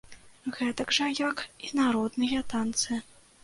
Гэтак жа як і народныя танцы.